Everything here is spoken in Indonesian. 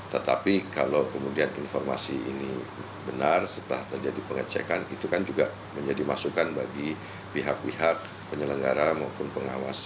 tetapi kalau kemudian informasi ini benar setelah terjadi pengecekan itu kan juga menjadi masukan bagi pihak pihak penyelenggara maupun pengawas